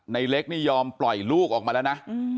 ในเล็กนี่ยอมปล่อยลูกออกมาแล้วนะ